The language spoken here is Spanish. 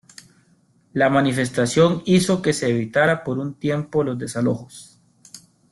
La manifestación hizo que se evitara por un tiempo los desalojos.